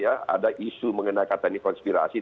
ada isu mengenai kata ini konspirasi